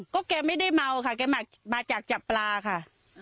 ก็แกไม่ได้เมาค่ะแกมาจากจับปลาค่ะ